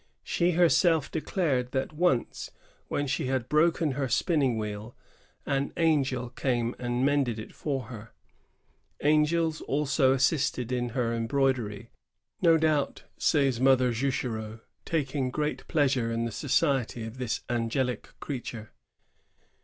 She herself declared that once when she had broken her spinning wheel, an angel came and mended it for her. Angels also assisted in her embroidery, "no doubt," says Mother Juchereau, " taking great pleasure in the society of this angeUc creature."